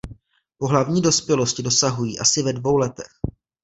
Pohlavní dospělosti dosahují asi ve dvou letech.